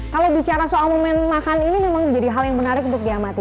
kalau bicara soal momen makan ini memang menjadi hal yang menarik untuk diamati